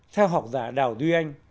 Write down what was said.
theo học giả đào duy anh